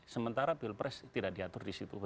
sementara pilpres tidak diatur disitu